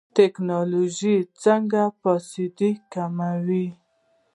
ټکنالوژي څنګه فساد کموي؟